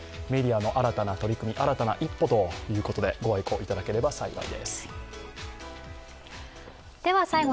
メディアの新たな取り組み、新たな一歩ということでご愛顧いただければ幸いです。